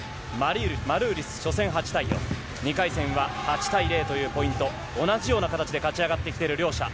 マルーリス、初戦８対４、２回戦は８対０というポイント、同じような形で勝ち上がってきている両者。